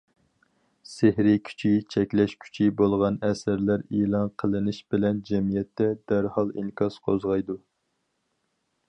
سېھرىي كۈچى، چەكلەش كۈچى بولغان ئەسەرلەر ئېلان قىلىنىش بىلەن جەمئىيەتتە دەرھال ئىنكاس قوزغايدۇ.